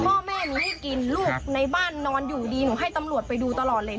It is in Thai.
พ่อแม่มีให้กินลูกในบ้านนอนอยู่ดีหนูให้ตำรวจไปดูตลอดเลย